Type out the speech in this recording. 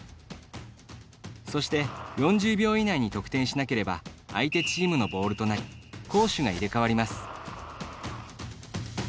そして４０秒以内に得点しなければ相手チームのボールとなり攻守が入れ替わります。